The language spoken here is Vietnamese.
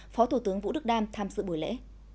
phó thủ tướng vũ đức đam tham dự buổi lễ